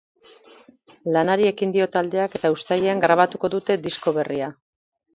Lanari ekin dio taldeak eta uztailean grabatuko dute disko berria.